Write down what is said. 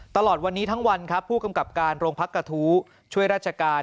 ตลอดวันนี้ทั้งวันครับผู้กำกับการโรงพักกระทู้ช่วยราชการ